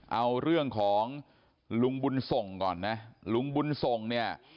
เอาเรื่องของลุงบุญส่งก่อนนะลุงบุญส่งเนี่ย